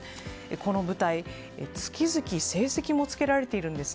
この部隊、月々成績もつけられています。